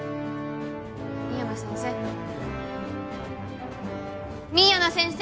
深山先生深山先生！